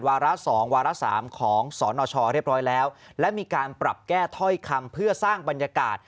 ระสองวาระสามของสนชเรียบร้อยแล้วและมีการปรับแก้ถ้อยคำเพื่อสร้างบรรยากาศ